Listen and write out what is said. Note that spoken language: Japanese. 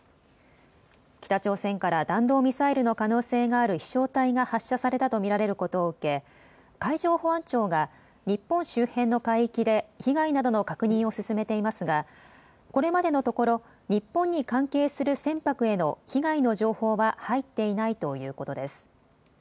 北朝鮮から弾道ミサイルの可能性がある飛しょう体が発射されたと見られることを受け海上保安庁が日本周辺の海域で被害などの確認を進めていますがこれまでのところ日本に関係する船舶への被害の情報は入っていないということです。